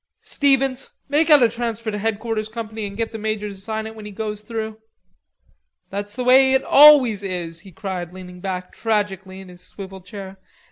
Stevens, make out a transfer to headquarters company and get the major to sign it when he goes through.... That's the way it always is," he cried, leaning back tragically in his swivel chair.